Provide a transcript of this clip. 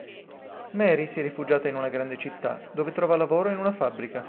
Mary si è rifugiata in una grande città dove trova lavoro in una fabbrica.